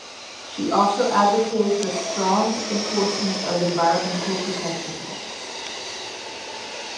She also advocated for strong enforcement of environmental protection laws.